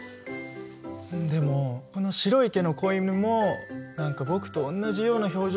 でもこの白い毛の子犬も何か僕とおんなじような表情してるよね。